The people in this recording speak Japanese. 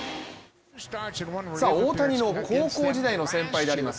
大谷の高校時代の先輩でもあります。